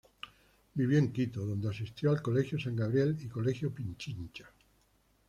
Vivió en Quito, donde asistió al Colegio San Gabriel y Colegio Pichincha.